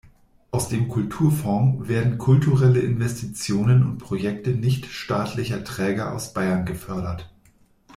Aus dem Kulturfonds werden kulturelle Investitionen und Projekte nichtstaatlicher Träger aus Bayern gefördert.